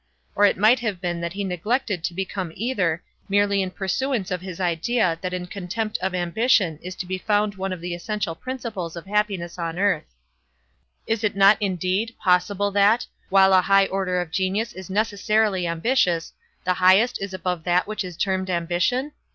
Or it might have been that he neglected to become either, merely in pursuance of his idea that in contempt of ambition is to be found one of the essential principles of happiness on earth. Is it not indeed, possible that, while a high order of genius is necessarily ambitious, the highest is above that which is termed ambition?